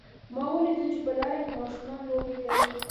ما ولیدل چې په لاره کې ماشومان لوبې کوي